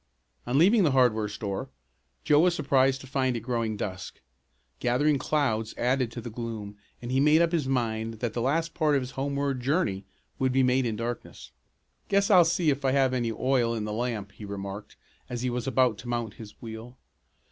On leaving the hardware store Joe was surprised to find it growing dusk. Gathering clouds added to the gloom and he made up his mind that the last part of his homeward journey would be made in darkness. "Guess I'll see if I have any oil in the lamp," he remarked as he was about to mount his wheel.